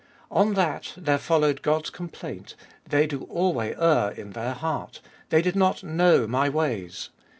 On that there followed God's complaint, " They do alway err in their heart ; they did not know my ways."